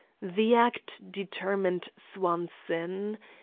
The act determined Swanson.